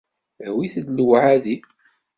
Awit-d lewɛadi.